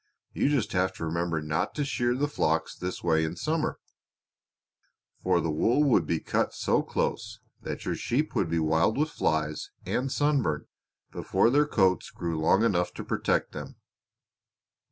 You just have to remember not to shear flocks this way in summer, for the wool would be cut so close that your sheep would be wild with flies and sunburn before their coats grew long enough to protect them."